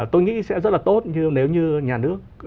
tôi nghĩ sẽ rất là tốt như nếu như nhà nước